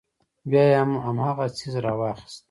بيا يې هم هماغه څيز راواخيست.